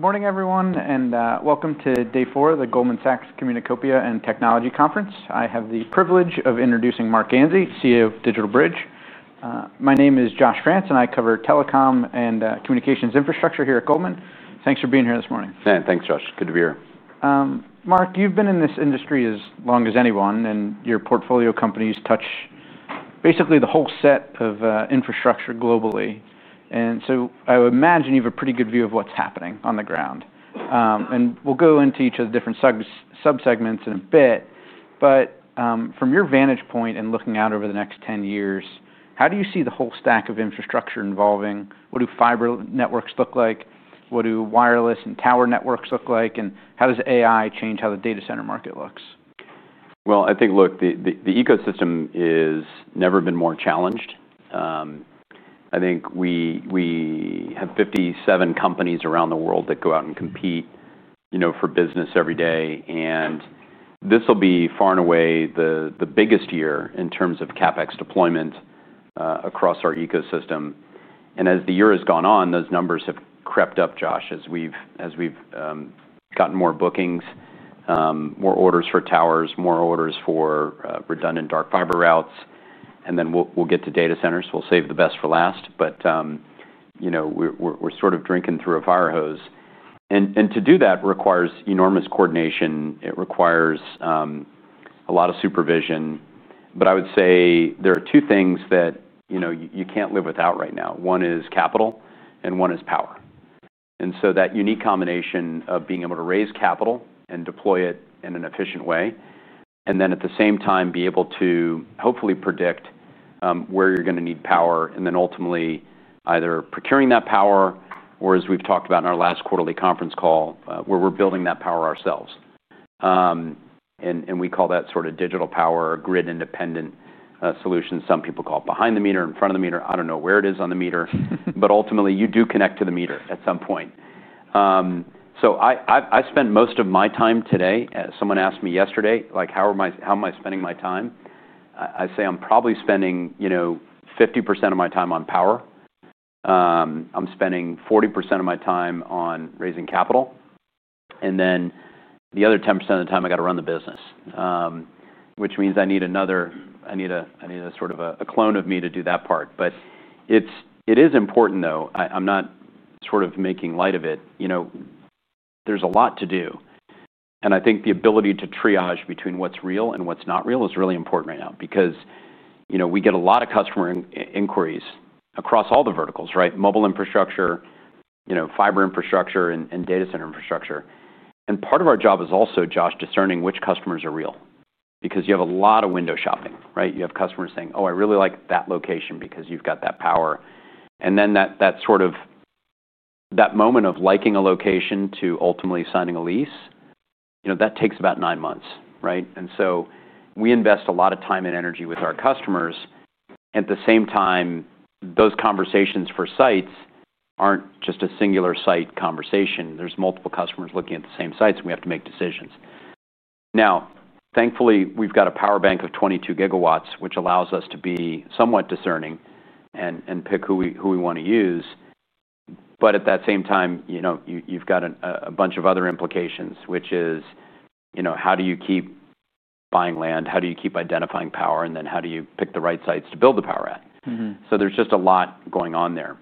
Good morning, everyone, and welcome to Day 4 of the Goldman Sachs Communicopia and Technology Conference. I have the privilege of introducing Marc Ganzi, CEO of DigitalBridge Group Inc. My name is Josh France, and I cover telecom and communications infrastructure here at Goldman. Thanks for being here this morning. Thanks, Josh. Good to be here. Marc, you've been in this industry as long as anyone, and your portfolio companies touch basically the whole set of infrastructure globally. I would imagine you have a pretty good view of what's happening on the ground. We'll go into each of the different subsegments in a bit. From your vantage point and looking out over the next 10 years, how do you see the whole stack of infrastructure evolving? What do fiber networks look like? What do wireless and tower networks look like? How does AI change how the data center market looks? I think, look, the ecosystem has never been more challenged. I think we have 57 companies around the world that go out and compete for business every day. This will be far and away the biggest year in terms of CapEx deployment across our ecosystem. As the year has gone on, those numbers have crept up, Josh, as we've gotten more bookings, more orders for towers, more orders for redundant dark fiber routes. We'll get to data centers. We'll save the best for last. We're sort of drinking through a fire hose. To do that requires enormous coordination. It requires a lot of supervision. I would say there are two things that you can't live without right now. One is capital, and one is power. That unique combination of being able to raise capital and deploy it in an efficient way, and at the same time be able to hopefully predict where you're going to need power, and then ultimately either procuring that power or, as we've talked about in our last quarterly conference call, where we're building that power ourselves. We call that sort of digital power, grid-independent solutions. Some people call it behind the meter, in front of the meter. I don't know where it is on the meter. Ultimately, you do connect to the meter at some point. I spend most of my time today. Someone asked me yesterday, like, how am I spending my time? I say I'm probably spending 50% of my time on power. I'm spending 40% of my time on raising capital. The other 10% of the time, I got to run the business, which means I need another, I need a sort of a clone of me to do that part. It is important, though. I'm not sort of making light of it. There's a lot to do. I think the ability to triage between what's real and what's not real is really important right now because we get a lot of customer inquiries across all the verticals, right? Mobile infrastructure, fiber infrastructure, and data center infrastructure. Part of our job is also, Josh, discerning which customers are real because you have a lot of window shopping, right? You have customers saying, oh, I really like that location because you've got that power. That sort of that moment of liking a location to ultimately signing a lease, that takes about nine months, right? We invest a lot of time and energy with our customers. At the same time, those conversations for sites aren't just a singular site conversation. There are multiple customers looking at the same sites, and we have to make decisions. Now, thankfully, we've got a power bank of 22 gigawatts, which allows us to be somewhat discerning and pick who we want to use. At that same time, you've got a bunch of other implications, which is, how do you keep buying land? How do you keep identifying power? How do you pick the right sites to build the power at? There's just a lot going on there.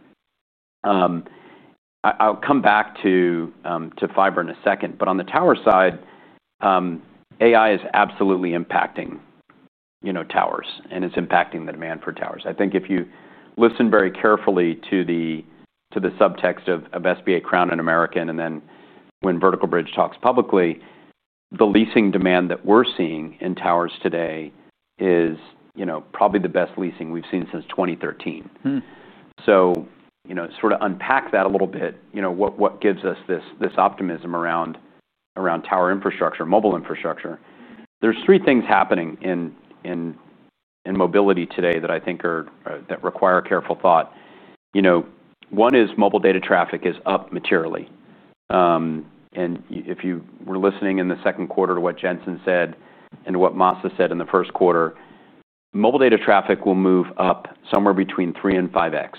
I'll come back to fiber in a second. On the tower side, AI is absolutely impacting towers, and it's impacting the demand for towers. I think if you listen very carefully to the subtext of SBA, Crown, and American, and then when Vertical Bridge talks publicly, the leasing demand that we're seeing in towers today is probably the best leasing we've seen since 2013. Unpack that a little bit, what gives us this optimism around tower infrastructure, mobile infrastructure. There are three things happening in mobility today that I think require careful thought. One is mobile data traffic is up materially. If you were listening in the second quarter to what Jensen said and what Masa said in the first quarter, mobile data traffic will move up somewhere between 3x and 5x.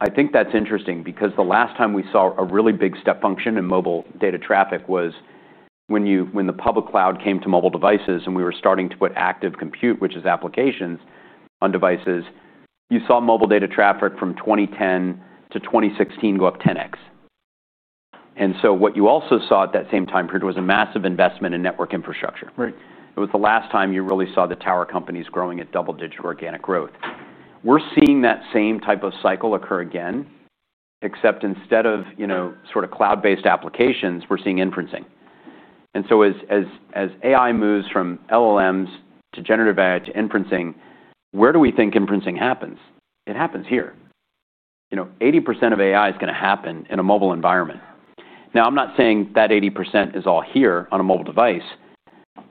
I think that's interesting because the last time we saw a really big step function in mobile data traffic was when the public cloud came to mobile devices and we were starting to put active compute, which is applications, on devices. You saw mobile data traffic from 2010 to 2016 go up 10x. What you also saw at that same time period was a massive investment in network infrastructure. Right. It was the last time you really saw the tower companies growing at double-digit organic growth. We're seeing that same type of cycle occur again, except instead of, you know, sort of cloud-based applications, we're seeing inferencing. As AI moves from LLMs to generative AI to inferencing, where do we think inferencing happens? It happens here. You know, 80% of AI is going to happen in a mobile environment. I'm not saying that 80% is all here on a mobile device.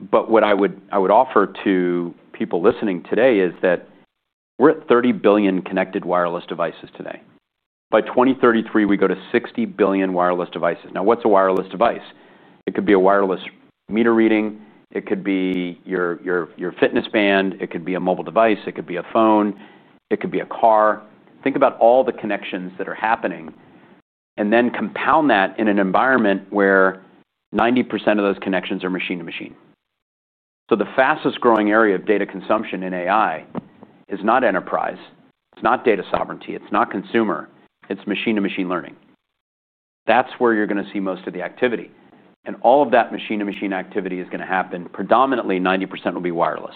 What I would offer to people listening today is that we're at 30 billion connected wireless devices today. By 2033, we go to 60 billion wireless devices. Now, what's a wireless device? It could be a wireless meter reading. It could be your fitness band. It could be a mobile device. It could be a phone. It could be a car. Think about all the connections that are happening. Then compound that in an environment where 90% of those connections are machine-to-machine. The fastest growing area of data consumption in AI is not enterprise. It's not data sovereignty. It's not consumer. It's machine-to-machine learning. That's where you're going to see most of the activity. All of that machine-to-machine activity is going to happen. Predominantly, 90% will be wireless.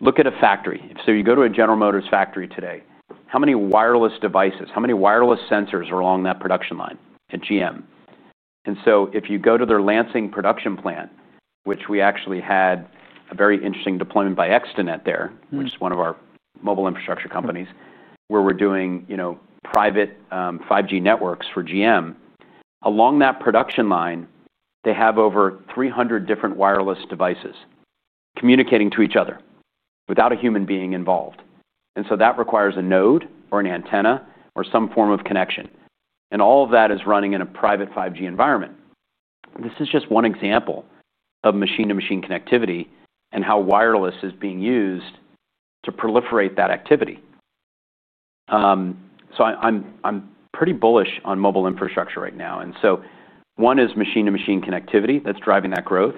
Look at a factory. If you go to a General Motors factory today, how many wireless devices, how many wireless sensors are along that production line at GM? If you go to their Lansing production plant, which we actually had a very interesting deployment by Extenet there, which is one of our mobile infrastructure companies, where we're doing private 5G networks for GM, along that production line, they have over 300 different wireless devices communicating to each other without a human being involved. That requires a node or an antenna or some form of connection. All of that is running in a private 5G environment. This is just one example of machine-to-machine connectivity and how wireless is being used to proliferate that activity. I'm pretty bullish on mobile infrastructure right now. One is machine-to-machine connectivity that's driving that growth.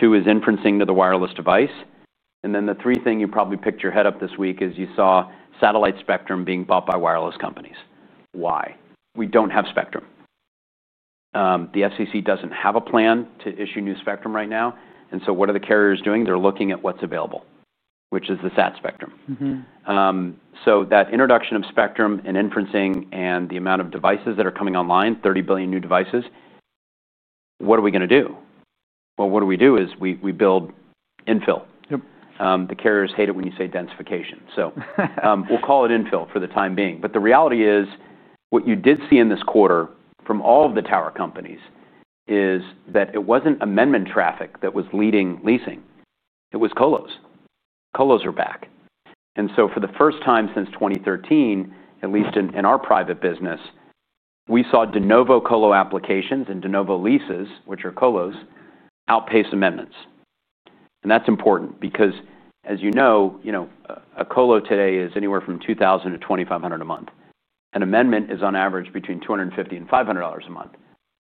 Two is inferencing to the wireless device. The three thing you probably picked your head up this week is you saw satellite spectrum being bought by wireless companies. Why? We don't have spectrum. The SEC doesn't have a plan to issue new spectrum right now. What are the carriers doing? They're looking at what's available, which is the SAT spectrum. That introduction of spectrum and inferencing and the amount of devices that are coming online, 30 billion new devices, what are we going to do? What we do is we build infill. Yep. The carriers hate it when you say densification. We'll call it infill for the time being. The reality is what you did see in this quarter from all of the tower companies is that it wasn't amendment traffic that was leading leasing, it was colos. Colos are back. For the first time since 2013, at least in our private business, we saw de novo colo applications and de novo leases, which are colos, outpace amendments. That's important because, as you know, a colo today is anywhere from $2,000 to $2,500 a month. An amendment is on average between $250 and $500 a month.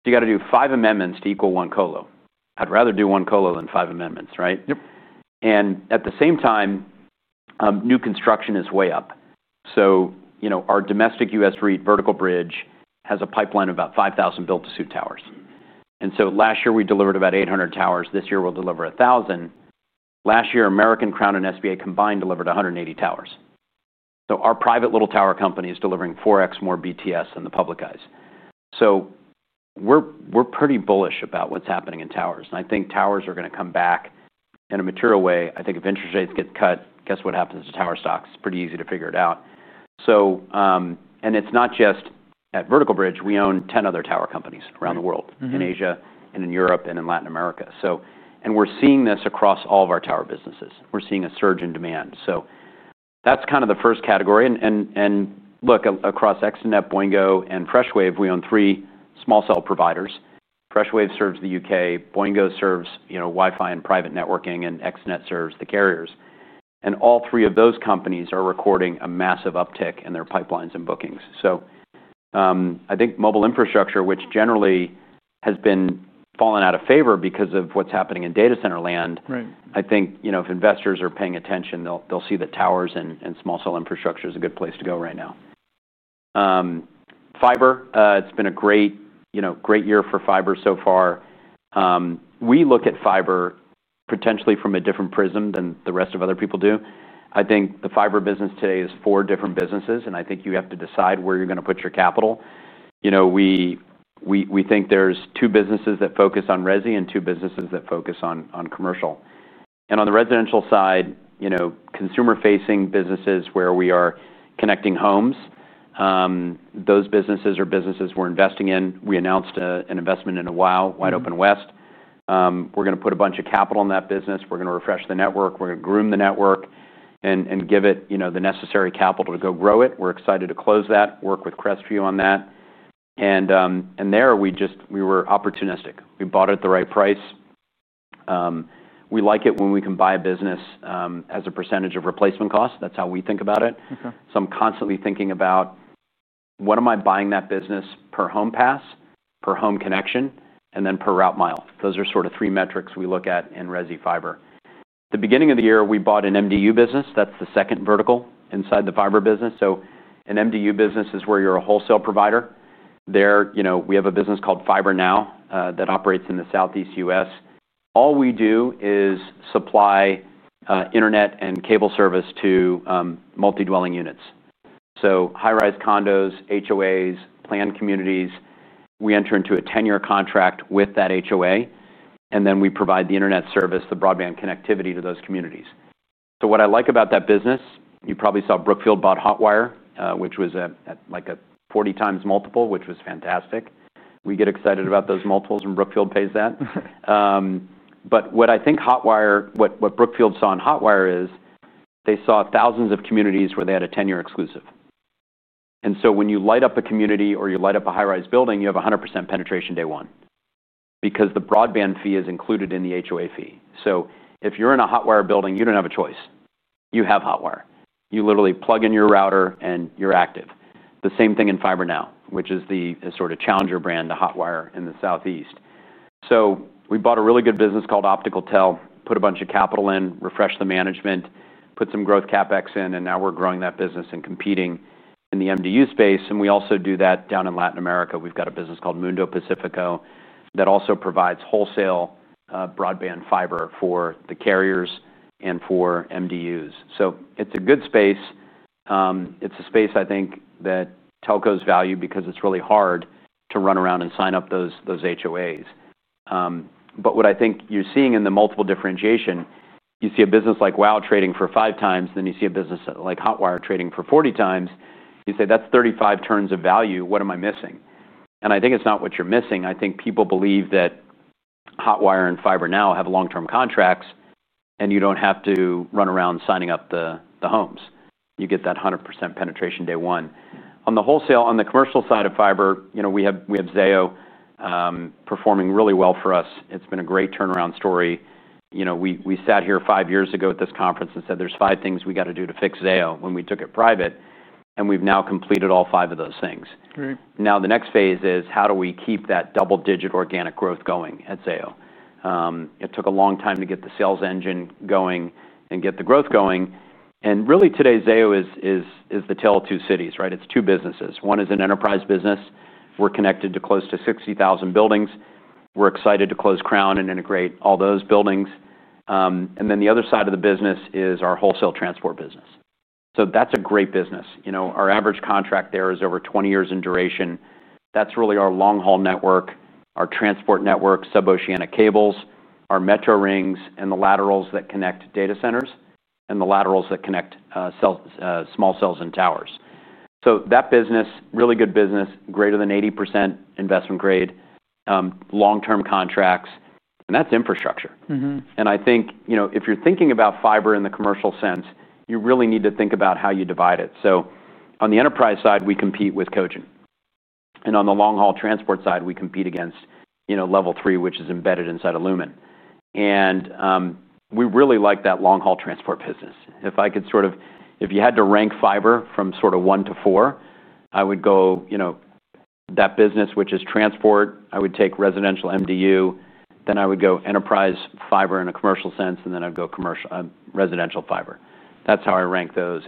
You have to do five amendments to equal one colo. I'd rather do one colo than five amendments, right? Yep. At the same time, new construction is way up. Our domestic U.S. REIT, Vertical Bridge, has a pipeline of about 5,000 built-to-suit towers. Last year, we delivered about 800 towers. This year, we'll deliver 1,000. Last year, American Crown and SBA combined delivered 180 towers. Our private little tower company is delivering 4x more BTS than the publicized. We're pretty bullish about what's happening in towers. I think towers are going to come back in a material way. I think if interest rates get cut, guess what happens to tower stocks? It's pretty easy to figure it out. It's not just at Vertical Bridge. We own 10 other tower companies around the world, in Asia, in Europe, and in Latin America. We're seeing this across all of our tower businesses. We're seeing a surge in demand. That's kind of the first category. Across Extenet, Boingo, and Freshwave, we own three small cell providers. Freshwave serves the UK. Boingo serves Wi-Fi and private networking. Extenet serves the carriers. All three of those companies are recording a massive uptick in their pipelines and bookings. I think mobile infrastructure, which generally has been falling out of favor because of what's happening in data center land, if investors are paying attention, they'll see that towers and small cell infrastructure is a good place to go right now. Fiber, it's been a great year for fiber so far. We look at fiber potentially from a different prism than the rest of other people do. I think the fiber business today is four different businesses. I think you have to decide where you're going to put your capital. We think there's two businesses that focus on resi and two businesses that focus on commercial. On the residential side, consumer-facing businesses where we are connecting homes, those businesses are businesses we're investing in. We announced an investment in Wide Open West. We're going to put a bunch of capital in that business. We're going to refresh the network. We're going to groom the network and give it the necessary capital to go grow it. We're excited to close that, work with Crestview on that. We were opportunistic. We bought it at the right price. We like it when we can buy a business as a percentage of replacement cost. That's how we think about it. I'm constantly thinking about what am I buying that business per home pass, per home connection, and then per route mile. Those are sort of three metrics we look at in resi fiber. At the beginning of the year, we bought an MDU business. That's the second vertical inside the fiber business. An MDU business is where you're a wholesale provider. There, you know, we have a business called FiberNow that operates in the Southeast U.S. All we do is supply internet and cable service to multi-dwelling units. High-rise condos, HOAs, planned communities, we enter into a 10-year contract with that HOA. We provide the internet service, the broadband connectivity to those communities. What I like about that business, you probably saw Brookfield bought Hotwire, which was at like a 40 times multiple, which was fantastic. We get excited about those multiples when Brookfield pays that. What I think Hotwire, what Brookfield saw in Hotwire is they saw thousands of communities where they had a 10-year exclusive. When you light up a community or you light up a high-rise building, you have 100% penetration day one because the broadband fee is included in the HOA fee. If you're in a Hotwire building, you don't have a choice. You have Hotwire. You literally plug in your router and you're active. The same thing in FiberNow, which is the sort of challenger brand to Hotwire in the Southeast. We bought a really good business called OpticalTel, put a bunch of capital in, refreshed the management, put some growth CapEx in, and now we're growing that business and competing in the MDU space. We also do that down in Latin America. We've got a business called Mundo Pacifico that also provides wholesale broadband fiber for the carriers and for MDUs. It's a good space. It's a space I think that telcos value because it's really hard to run around and sign up those HOAs. What I think you're seeing in the multiple differentiation, you see a business like WOW trading for five times, then you see a business like Hotwire trading for 40 times. You say that's 35 turns of value. What am I missing? I think it's not what you're missing. People believe that Hotwire and FiberNow have long-term contracts, and you don't have to run around signing up the homes. You get that 100% penetration day one. On the wholesale, on the commercial side of fiber, we have Zayo performing really well for us. It's been a great turnaround story. You know, we sat here five years ago at this conference and said there's five things we got to do to fix Zayo when we took it private. We've now completed all five of those things. Right. Now the next phase is how do we keep that double-digit organic growth going at Zayo? It took a long time to get the sales engine going and get the growth going. Really, today, Zayo is the tale of two cities, right? It's two businesses. One is an enterprise business. We're connected to close to 60,000 buildings. We're excited to close Crown and integrate all those buildings. The other side of the business is our wholesale transport business. That's a great business. Our average contract there is over 20 years in duration. That's really our long-haul network, our transport network, sub-oceanic cables, our metro rings, and the laterals that connect data centers, and the laterals that connect small cells and towers. That business, really good business, greater than 80% investment grade, long-term contracts. That's infrastructure. I think, if you're thinking about fiber in the commercial sense, you really need to think about how you divide it. On the enterprise side, we compete with Cogent. On the long-haul transport side, we compete against Level 3, which is embedded inside of Lumen. We really like that long-haul transport business. If I could sort of, if you had to rank fiber from sort of one to four, I would go, that business, which is transport, I would take residential MDU, then I would go enterprise fiber in a commercial sense, and then I'd go commercial residential fiber. That's how I rank those.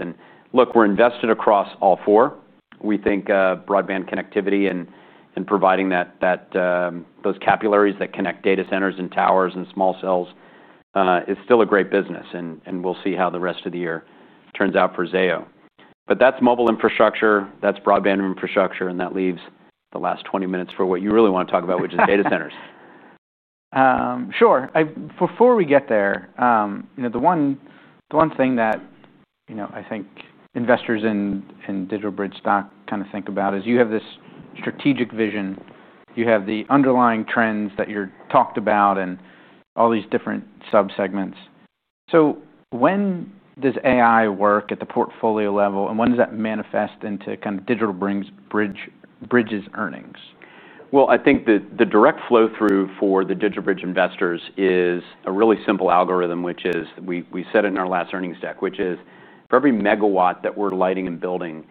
Look, we're invested across all four. We think broadband connectivity and providing those capillaries that connect data centers and towers and small cells is still a great business. We'll see how the rest of the year turns out for Zayo. That's mobile infrastructure, that's broadband infrastructure, and that leaves the last 20 minutes for what you really want to talk about, which is data centers. Sure. Before we get there, the one thing that I think investors in DigitalBridge stock kind of think about is you have this strategic vision. You have the underlying trends that you talked about and all these different subsegments. When does AI work at the portfolio level, and when does that manifest into DigitalBridge's earnings? I think the direct flow-through for the DigitalBridge investors is a really simple algorithm, which is we said in our last earnings deck, which is for every megawatt that we're lighting and building,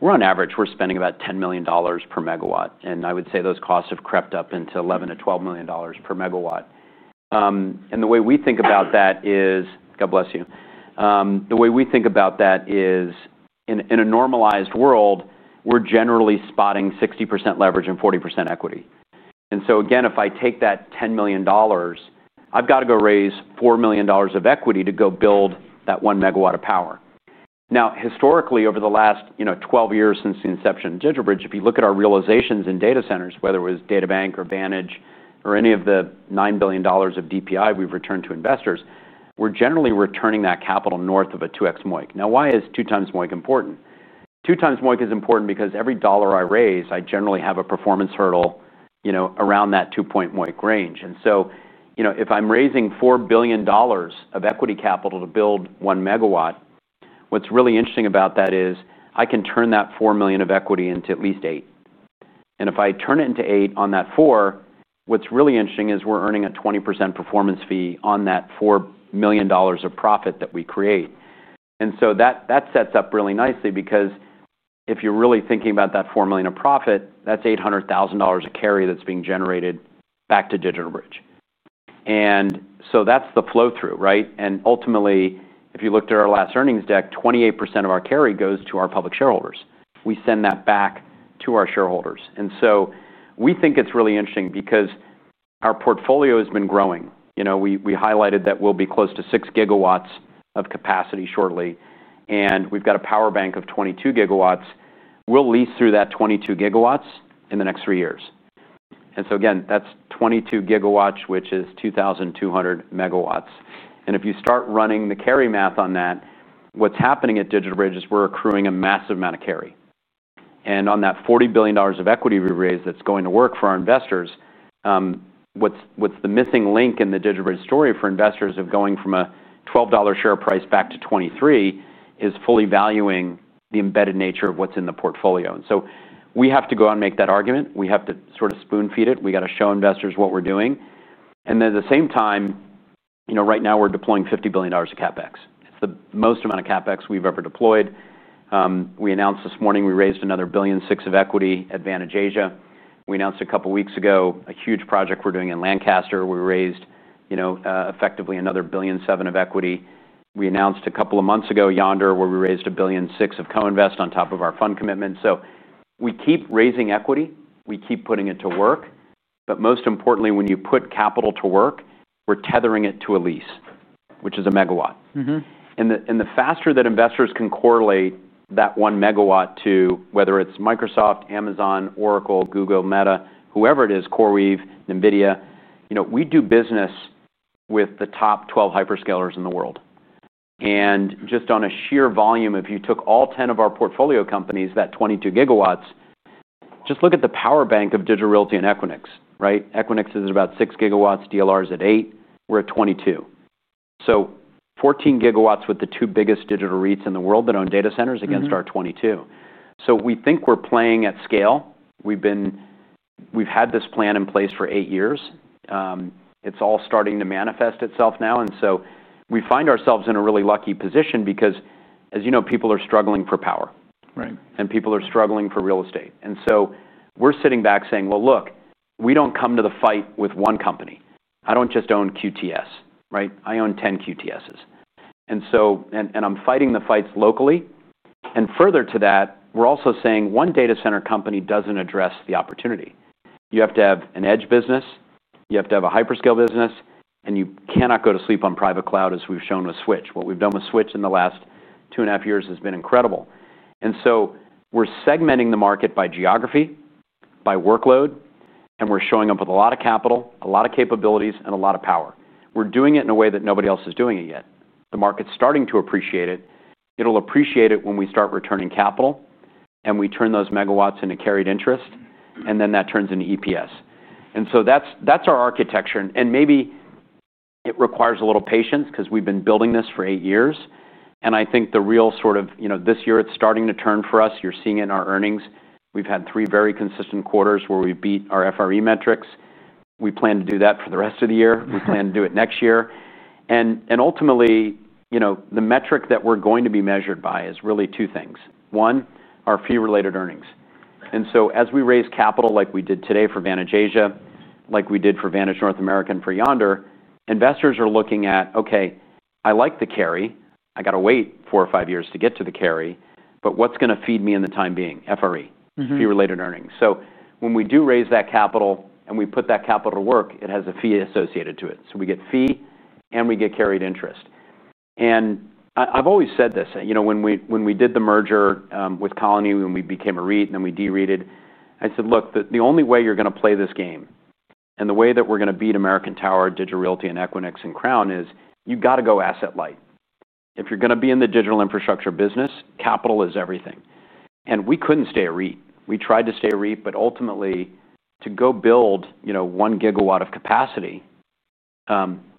we're on average spending about $10 million per megawatt. I would say those costs have crept up into $11 to $12 million per megawatt. The way we think about that is, God bless you, the way we think about that is in a normalized world, we're generally spotting 60% leverage and 40% equity. If I take that $10 million, I've got to go raise $4 million of equity to go build that one megawatt of power. Historically, over the last 12 years since the inception of DigitalBridge, if you look at our realizations in data centers, whether it was DataBank or Vantage or any of the $9 billion of DPI we've returned to investors, we're generally returning that capital north of a 2x MOIC. Why is 2x MOIC important? 2x MOIC is important because every dollar I raise, I generally have a performance hurdle around that two-point MOIC range. If I'm raising $4 million of equity capital to build one megawatt, what's really interesting about that is I can turn that $4 million of equity into at least $8 million. If I turn it into $8 million on that $4 million, what's really interesting is we're earning a 20% performance fee on that $4 million of profit that we create. That sets up really nicely because if you're really thinking about that $4 million of profit, that's $800,000 of carry that's being generated back to DigitalBridge. That's the flow-through, right? Ultimately, if you looked at our last earnings deck, 28% of our carry goes to our public shareholders. We send that back to our shareholders. We think it's really interesting because our portfolio has been growing. We highlighted that we'll be close to 6 gigawatts of capacity shortly. We've got a power bank of 22 gigawatts. We'll lease through that 22 gigawatts in the next three years. That's 22 gigawatts, which is 2,200 megawatts. If you start running the carry math on that, what's happening at DigitalBridge is we're accruing a massive amount of carry. On that $40 billion of equity we raised that's going to work for our investors, what's the missing link in the DigitalBridge story for investors of going from a $12 share price back to $23 is fully valuing the embedded nature of what's in the portfolio. We have to go out and make that argument. We have to sort of spoon-feed it. We got to show investors what we're doing. At the same time, right now we're deploying $50 billion of CapEx. It's the most amount of CapEx we've ever deployed. We announced this morning we raised another $1.6 billion of equity at Vantage Asia. We announced a couple of weeks ago a huge project we're doing in Lancaster. We raised, you know, effectively another $1.7 billion of equity. We announced a couple of months ago Yonder, where we raised $1.6 billion of co-invest on top of our fund commitment. We keep raising equity. We keep putting it to work. Most importantly, when you put capital to work, we're tethering it to a lease, which is a megawatt. The faster that investors can correlate that one megawatt to whether it's Microsoft, Amazon, Oracle, Google, Meta, whoever it is, CoreWeave, NVIDIA, you know, we do business with the top 12 hyperscalers in the world. Just on a sheer volume, if you took all 10 of our portfolio companies, that 22 gigawatts, just look at the power bank of Digital Realty and Equinix, right? Equinix is at about 6 gigawatts, DLR is at 8. We're at 22. Fourteen gigawatts with the two biggest digital REITs in the world that own data centers against our 22. We think we're playing at scale. We've had this plan in place for eight years. It's all starting to manifest itself now. We find ourselves in a really lucky position because, as you know, people are struggling for power. Right. People are struggling for real estate. We're sitting back saying, look, we don't come to the fight with one company. I don't just own QTS, right? I own 10 QTSs. I'm fighting the fights locally. Further to that, we're also saying one data center company doesn't address the opportunity. You have to have an edge business. You have to have a hyperscale business. You cannot go to sleep on private cloud, as we've shown with Switch. What we've done with Switch in the last two and a half years has been incredible. We're segmenting the market by geography, by workload. We're showing up with a lot of capital, a lot of capabilities, and a lot of power. We're doing it in a way that nobody else is doing it yet. The market's starting to appreciate it. It'll appreciate it when we start returning capital. We turn those megawatts into carried interest, and then that turns into EPS. That's our architecture. Maybe it requires a little patience because we've been building this for eight years. I think the real sort of, you know, this year it's starting to turn for us. You're seeing it in our earnings. We've had three very consistent quarters where we beat our FRE metrics. We plan to do that for the rest of the year. We plan to do it next year. Ultimately, the metric that we're going to be measured by is really two things. One, our fee-related earnings. As we raise capital like we did today for Vantage Asia, like we did for Vantage North America and for Yonder, investors are looking at, OK, I like the carry. I got to wait four or five years to get to the carry. What's going to feed me in the time being? FRE, fee-related earnings. When we do raise that capital and we put that capital to work, it has a fee associated to it. We get fee and we get carried interest. I've always said this, when we did the merger with Colony when we became a REIT and then we de-REITed, I said, look, the only way you're going to play this game and the way that we're going to beat American Tower, Digital Realty, Equinix, and Crown is you've got to go asset light. If you're going to be in the digital infrastructure business, capital is everything. We couldn't stay a REIT. We tried to stay a REIT. Ultimately, to go build, you know, one gigawatt of capacity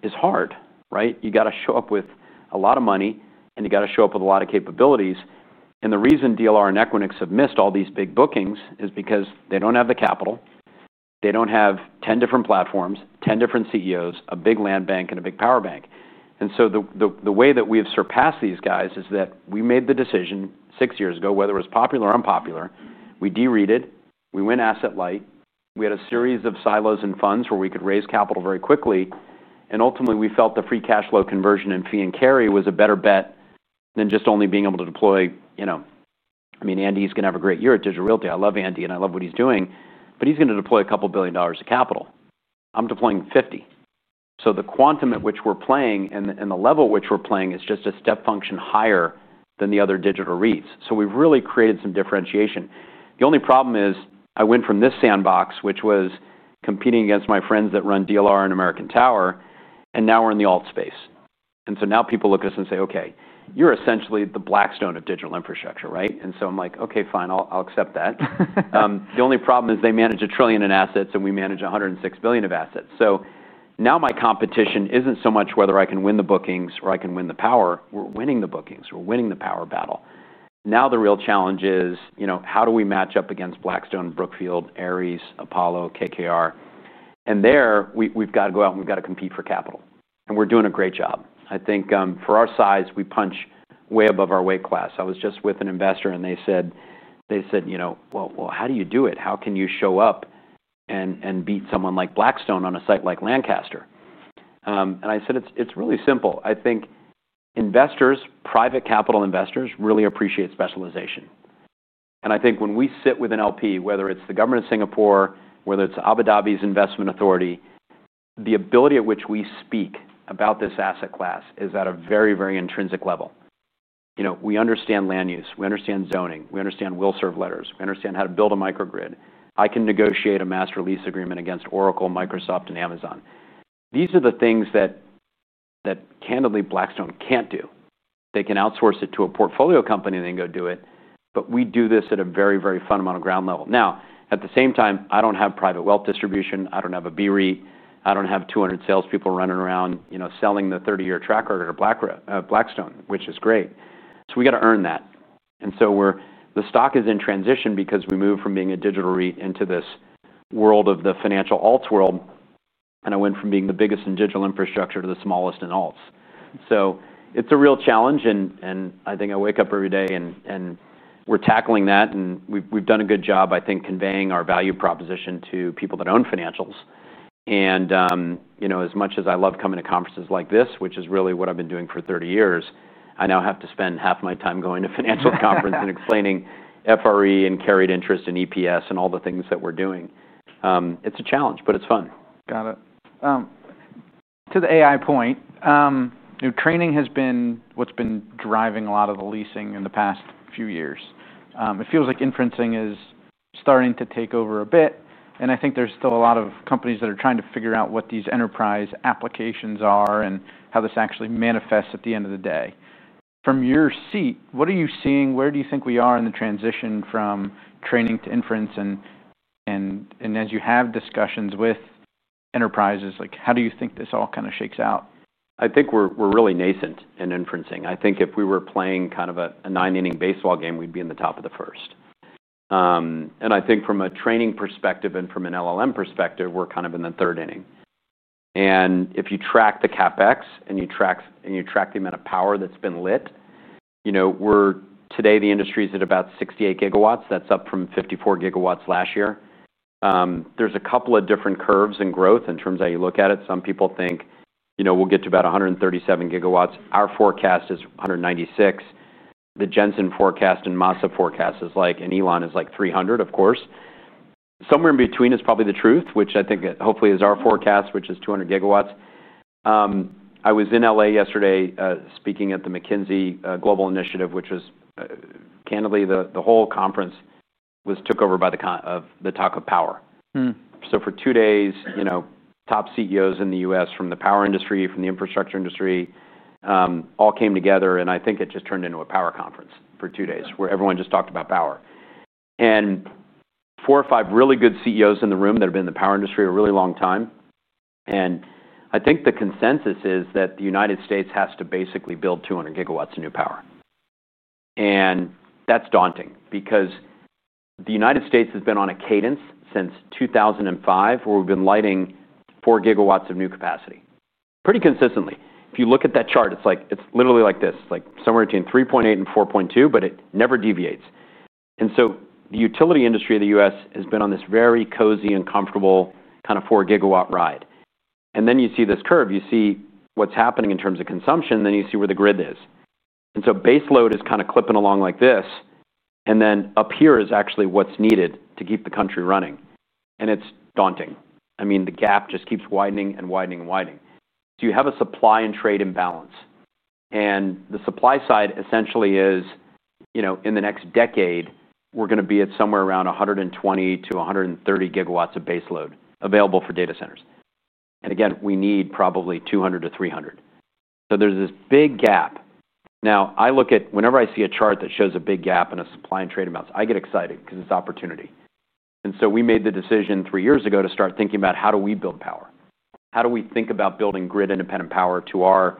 is hard, right? You got to show up with a lot of money. You got to show up with a lot of capabilities. The reason Digital Realty and Equinix have missed all these big bookings is because they don't have the capital. They don't have 10 different platforms, 10 different CEOs, a big land bank, and a big power bank. The way that we have surpassed these guys is that we made the decision six years ago, whether it was popular or unpopular. We de-REITed. We went asset light. We had a series of silos and funds where we could raise capital very quickly. Ultimately, we felt the free cash flow conversion and fee and carry was a better bet than just only being able to deploy, you know, I mean, Andy's going to have a great year at Digital Realty. I love Andy. I love what he's doing. He's going to deploy a couple billion dollars of capital. I'm deploying $50 billion. The quantum at which we're playing and the level at which we're playing is just a step function higher than the other digital REITs. We've really created some differentiation. The only problem is I went from this sandbox, which was competing against my friends that run Digital Realty and American Tower. Now we're in the alt space. Now people look at us and say, OK, you're essentially the Blackstone of digital infrastructure, right? I'm like, OK, fine. I'll accept that. The only problem is they manage a trillion in assets. We manage $106 billion of assets. Now my competition isn't so much whether I can win the bookings or I can win the power. We're winning the bookings. We're winning the power battle. Now the real challenge is, you know, how do we match up against Blackstone, Brookfield, Ares, Apollo, KKR? There, we've got to go out and we've got to compete for capital. We're doing a great job. I think for our size, we punch way above our weight class. I was just with an investor. They said, you know, how do you do it? How can you show up and beat someone like Blackstone on a site like Lancaster? I said, it's really simple. I think investors, private capital investors, really appreciate specialization. I think when we sit with an LP, whether it's the government of Singapore, whether it's Abu Dhabi's investment authority, the ability at which we speak about this asset class is at a very, very intrinsic level. We understand land use. We understand zoning. We understand will serve letters. We understand how to build a microgrid. I can negotiate a master lease agreement against Oracle, Microsoft, and Amazon. These are the things that candidly Blackstone can't do. They can outsource it to a portfolio company and then go do it. We do this at a very, very fundamental ground level. At the same time, I don't have private wealth distribution. I don't have a B-REIT. I don't have 200 salespeople running around, you know, selling the 30-year track record of Blackstone, which is great. We got to earn that. The stock is in transition because we moved from being a digital REIT into this world of the financial alts world. I went from being the biggest in digital infrastructure to the smallest in alts. It's a real challenge. I think I wake up every day. We're tackling that. We've done a good job, I think, conveying our value proposition to people that own financials. As much as I love coming to conferences like this, which is really what I've been doing for 30 years, I now have to spend half my time going to financial conference and explaining FRE and carried interest and EPS and all the things that we're doing. It's a challenge, but it's fun. Got it. To the AI point, you know, training has been what's been driving a lot of the leasing in the past few years. It feels like inferencing is starting to take over a bit. I think there's still a lot of companies that are trying to figure out what these enterprise applications are and how this actually manifests at the end of the day. From your seat, what are you seeing? Where do you think we are in the transition from training to inferencing? As you have discussions with enterprises, how do you think this all kind of shakes out? I think we're really nascent in AI inferencing. I think if we were playing kind of a nine-inning baseball game, we'd be in the top of the first. I think from a training perspective and from an LLM perspective, we're kind of in the third inning. If you track the CapEx and you track the amount of power that's been lit, today the industry is at about 68 gigawatts. That's up from 54 gigawatts last year. There are a couple of different curves in growth in terms of how you look at it. Some people think we'll get to about 137 gigawatts. Our forecast is 196. The Jensen forecast and Masa forecast is like, and Elon is like 300, of course. Somewhere in between is probably the truth, which I think hopefully is our forecast, which is 200 gigawatts. I was in LA yesterday speaking at the McKinsey & Company Global Initiative, which was, candidly, the whole conference was took over by the talk of power. For two days, top CEOs in the U.S. from the power industry, from the infrastructure industry all came together. It just turned into a power conference for two days where everyone just talked about power. Four or five really good CEOs in the room that have been in the power industry a really long time. I think the consensus is that the U.S. has to basically build 200 gigawatts of new power. That's daunting because the U.S. has been on a cadence since 2005 where we've been lighting 4 gigawatts of new capacity pretty consistently. If you look at that chart, it's literally like this, somewhere between 3.8 and 4.2, but it never deviates. The utility industry of the U.S. has been on this very cozy and comfortable kind of 4-gigawatt ride. You see this curve. You see what's happening in terms of consumption. You see where the grid is. Baseload is kind of clipping along like this. Up here is actually what's needed to keep the country running. It's daunting. The gap just keeps widening and widening and widening. You have a supply and trade imbalance. The supply side essentially is, in the next decade, we're going to be at somewhere around 120 to 130 gigawatts of baseload available for data centers. Again, we need probably 200 to 300. There's this big gap. Whenever I see a chart that shows a big gap in supply and trade amounts, I get excited because it's opportunity. We made the decision three years ago to start thinking about how do we build power? How do we think about building grid independent power to our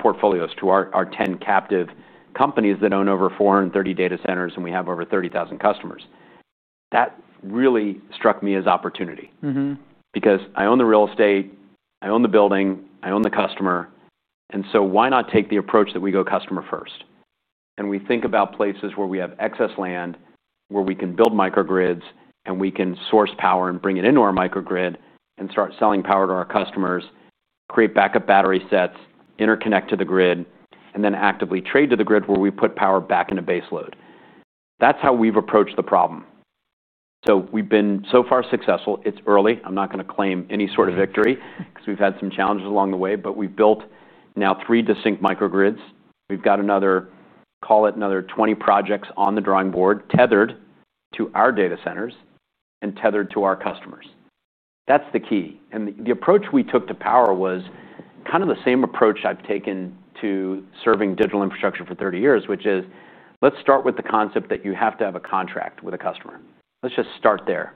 portfolios, to our 10 captive companies that own over 430 data centers and we have over 30,000 customers? That really struck me as opportunity because I own the real estate. I own the building. I own the customer. Why not take the approach that we go customer first? We think about places where we have excess land, where we can build microgrids, and we can source power and bring it into our microgrid and start selling power to our customers, create backup battery sets, interconnect to the grid, and then actively trade to the grid where we put power back into baseload. That's how we've approached the problem. We've been so far successful. It's early. I'm not going to claim any sort of victory because we've had some challenges along the way. We've built now three distinct microgrids. We've got another, call it another 20 projects on the drawing board tethered to our data centers and tethered to our customers. That's the key. The approach we took to power was kind of the same approach I've taken to serving digital infrastructure for 30 years, which is let's start with the concept that you have to have a contract with a customer. Let's just start there.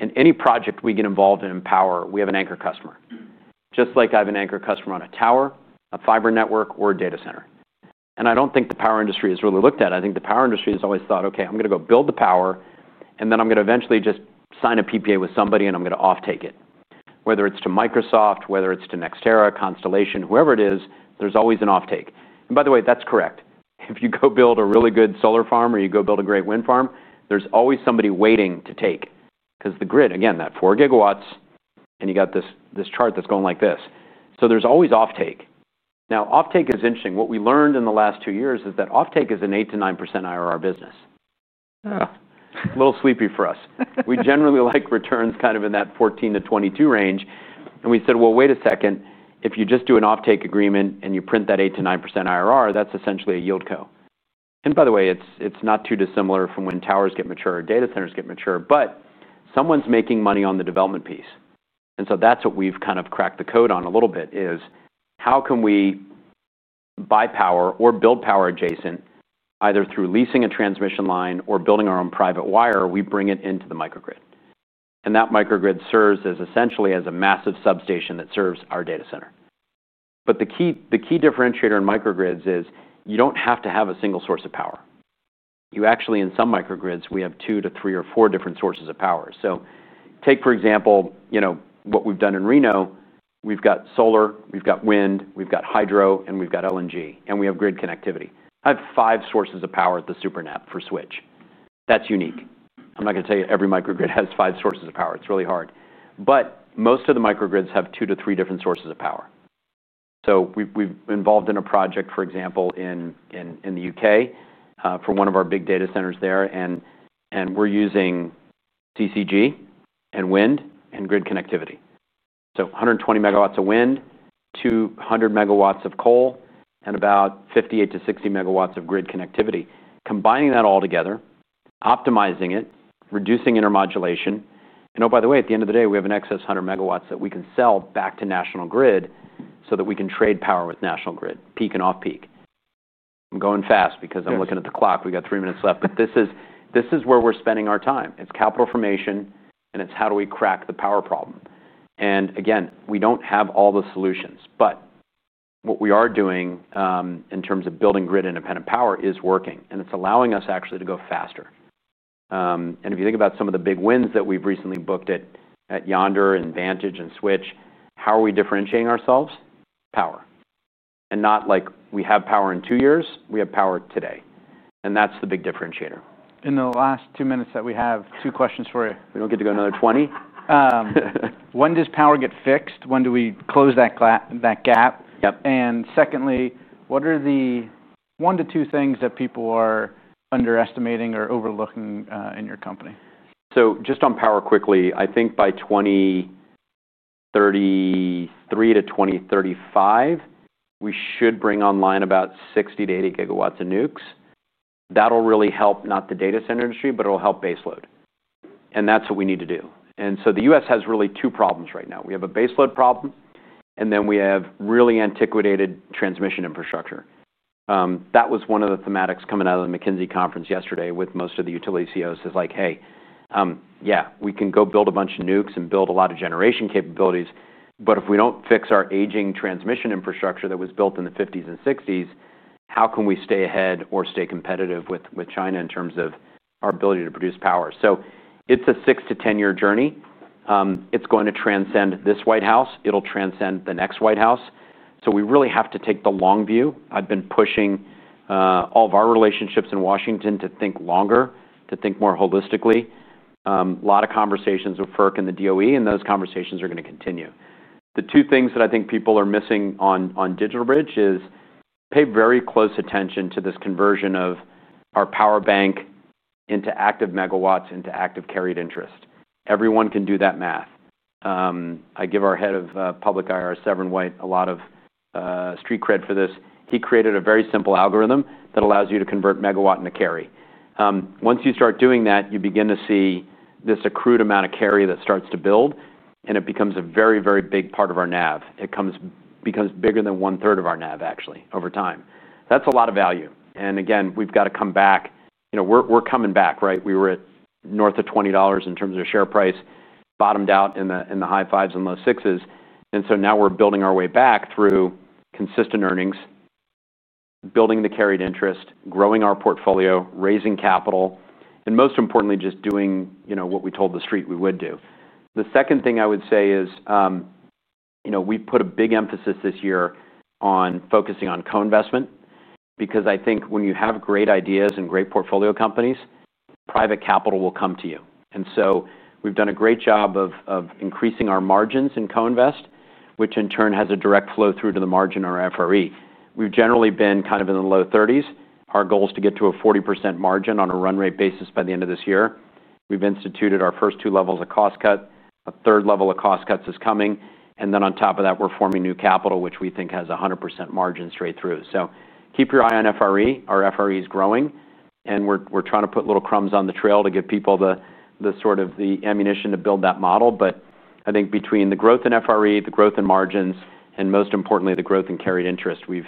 In any project we get involved in in power, we have an anchor customer, just like I have an anchor customer on a tower, a fiber network, or a data center. I don't think the power industry has really looked at it. I think the power industry has always thought, OK, I'm going to go build the power. Then I'm going to eventually just sign a PPA with somebody. I'm going to off-take it, whether it's to Microsoft, whether it's to NextEra, Constellation, whoever it is, there's always an off-take. By the way, that's correct. If you go build a really good solar farm or you go build a great wind farm, there's always somebody waiting to take because the grid, again, that 4 gigawatts, and you got this chart that's going like this. There's always off-take. Off-take is interesting. What we learned in the last two years is that off-take is an 8% to 9% IRR business. A little sleepy for us. We generally like returns kind of in that 14% to 22% range. We said, wait a second. If you just do an off-take agreement and you print that 8% to 9% IRR, that's essentially a yield co. By the way, it's not too dissimilar from when towers get mature, data centers get mature. Someone's making money on the development piece. That's what we've kind of cracked the code on a little bit, how can we buy power or build power adjacent, either through leasing a transmission line or building our own private wire? We bring it into the microgrid, and that microgrid serves as essentially a massive substation that serves our data center. The key differentiator in microgrids is you don't have to have a single source of power. You actually, in some microgrids, have two to three or four different sources of power. Take, for example, what we've done in Reno. We've got solar, we've got wind, we've got hydro, we've got LNG, and we have grid connectivity. I have five sources of power at the SuperNet for Switch. That's unique. I'm not going to tell you every microgrid has five sources of power. It's really hard, but most of the microgrids have two to three different sources of power. We've been involved in a project, for example, in the UK for one of our big data centers there, and we're using CCG and wind and grid connectivity. 120 megawatts of wind, 200 megawatts of coal, and about 58 to 60 megawatts of grid connectivity. Combining that all together, optimizing it, reducing intermodulation. By the way, at the end of the day, we have an excess 100 megawatts that we can sell back to National Grid so that we can trade power with National Grid, peak and off-peak. I'm going fast because I'm looking at the clock. We've got three minutes left. This is where we're spending our time. It's capital formation, and it's how do we crack the power problem. Again, we don't have all the solutions, but what we are doing in terms of building grid independent power is working, and it's allowing us actually to go faster. If you think about some of the big wins that we've recently booked at Yonder and Vantage and Switch, how are we differentiating ourselves? Power. Not like we have power in two years. We have power today, and that's the big differentiator. In the last two minutes that we have, two questions for you. We don't get to go another 20. When does power get fixed? When do we close that gap? Yep. What are the one to two things that people are underestimating or overlooking in your company? Just on power quickly, I think by 2033 to 2035, we should bring online about 60 to 80 gigawatts of nukes. That'll really help not the data center industry, but it'll help baseload. That's what we need to do. The U.S. has really two problems right now. We have a baseload problem, and we have really antiquated transmission infrastructure. That was one of the thematics coming out of the McKinsey & Company conference yesterday with most of the utility CEOs. It's like, hey, yeah, we can go build a bunch of nukes and build a lot of generation capabilities, but if we don't fix our aging transmission infrastructure that was built in the '50s and '60s, how can we stay ahead or stay competitive with China in terms of our ability to produce power? It's a 6 to 10-year journey. It's going to transcend this White House. It'll transcend the next White House. We really have to take the long view. I've been pushing all of our relationships in Washington to think longer, to think more holistically. A lot of conversations with FERC and the DOE, and those conversations are going to continue. The two things that I think people are missing on DigitalBridge Group Inc. is pay very close attention to this conversion of our power bank into active megawatts into active carried interest. Everyone can do that math. I give our Head of Public IR, Severin White, a lot of street cred for this. He created a very simple algorithm that allows you to convert megawatt into carry. Once you start doing that, you begin to see this accrued amount of carry that starts to build, and it becomes a very, very big part of our NAV. It becomes bigger than one-third of our NAV, actually, over time. That's a lot of value. We've got to come back. You know, we're coming back, right? We were at north of $20 in terms of share price, bottomed out in the high fives and low sixes. Now we're building our way back through consistent earnings, building the carried interest, growing our portfolio, raising capital, and most importantly, just doing what we told the street we would do. The second thing I would say is, we put a big emphasis this year on focusing on co-investment because I think when you have great ideas and great portfolio companies, private capital will come to you. We've done a great job of increasing our margins in co-invest, which in turn has a direct flow through to the margin or FRE. We've generally been kind of in the low 30%. Our goal is to get to a 40% margin on a run rate basis by the end of this year. We've instituted our first two levels of cost cut. A third level of cost cuts is coming. On top of that, we're forming new capital, which we think has a 100% margin straight through. Keep your eye on FRE. Our FRE is growing, and we're trying to put little crumbs on the trail to give people the sort of ammunition to build that model. I think between the growth in FRE, the growth in margins, and most importantly, the growth in carried interest, we've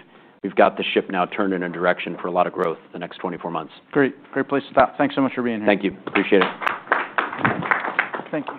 got the ship now turned in a direction for a lot of growth the next 24 months. Great. Great place to stop. Thanks so much for being here. Thank you. Appreciate it. Thank you.